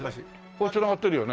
これ繋がってるよね？